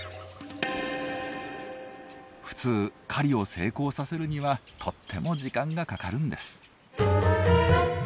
普通狩りを成功させるにはとっても時間がかかるんです。